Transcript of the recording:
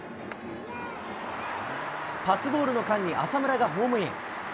パスボールの間に浅村がホームイン。